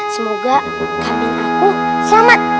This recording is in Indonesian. semoga kambing aku selamat